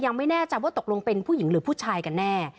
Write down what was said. ยังไม่แน่ใจว่าตกลงเป็นผู้หญิงหรือผู้ชายกันแน่